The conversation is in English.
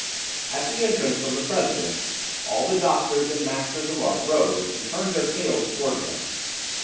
At the entrance of the president, all the doctors and masters of art rose and turned their tails towards him.